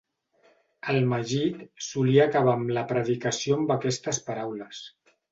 El "maggid" solia acabar amb la predicació amb aquestes paraules.